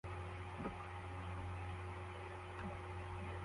Umukobwa ukiri muto wambaye ishati irambuye afite urusaku rwa elegitoronike yubatse